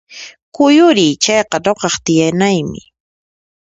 Kuyuriy! Chayqa nuqaq tiyanaymi